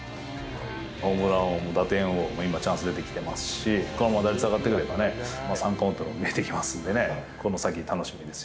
ホームラン王も打点王も今、チャンス出てきてますし、打率も上がってくればね、三冠王というのも見えてきますんでね。